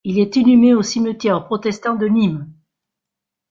Il est inhumé au cimetière protestant de Nîmes.